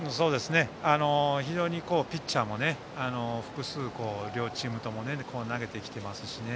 非常にピッチャーも複数、両チームとも投げてきていますしね。